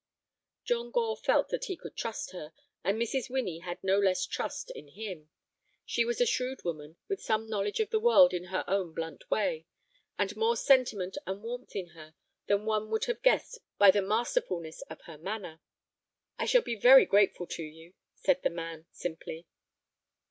John Gore felt that he could trust her, and Mrs. Winnie had no less trust in him. She was a shrewd woman, with some knowledge of the world in her own blunt way, and more sentiment and warmth in her than one would have guessed by the masterfulness of her manner. "I shall be very grateful to you," said, the man, simply.